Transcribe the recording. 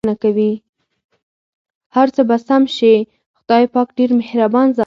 هرڅه به سم شې٬ خدای پاک ډېر مهربان ذات دی.